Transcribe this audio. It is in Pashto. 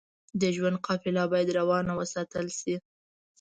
د ژوند قافله بايد روانه وساتل شئ.